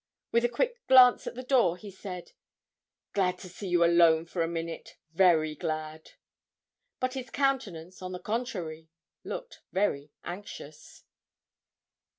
With a quick glance at the door, he said 'Glad to see you alone for a minute very glad.' But his countenance, on the contrary, looked very anxious.